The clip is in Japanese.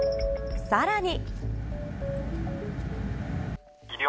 さらに。